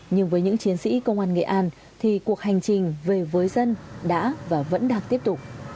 nhưng với những chiến sĩ công an nghệ an thì cuộc hành trình về với dân đã và vẫn đang tiếp tục